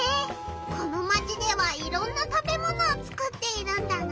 このマチではいろんな食べものをつくっているんだな！